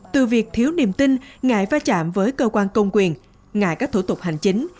từ việc thiếu niềm tin ngại va chạm với cơ quan công quyền ngại các thủ tục hành chính